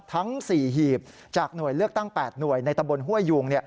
ทั้ง๔หีบจากหน่วยเลือกตั้ง๘หน่วยในตำบลห้วยยุง